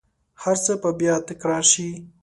هرڅه به بیا تکرارشي